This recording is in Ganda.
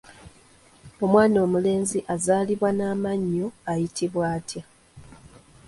Omwana omulenzi azaalibwa n'amannyo ayitibwa atya?